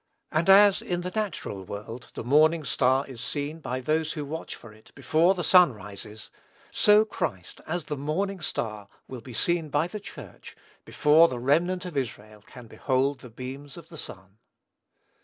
And as, in the natural world, the morning star is seen, by those who watch for it, before the sun rises, so Christ, as the morning star, will be seen by the Church, before the remnant of Israel can behold the beams of the Sun.